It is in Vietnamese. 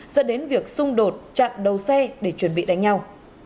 dẫn đến việc xung đột chặn đầu xe để chuẩn bị đánh nhau